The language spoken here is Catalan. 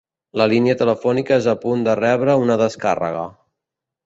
La línia telefònica és a punt de rebre una descàrrega.